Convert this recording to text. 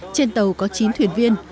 trên tàu có chín thuyền viên